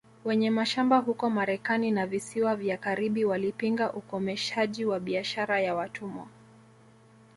Wenye mashamba huko Marekani na visiwa vya Karibi walipinga ukomeshaji wa biashara ya watumwa